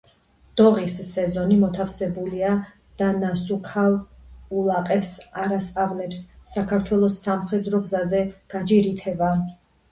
დოღის სეზონი მოთავებულია და ნასუქალ ულაყებს არას ავნებს საქართველოს სამხედრო გზაზე გაჯირითება.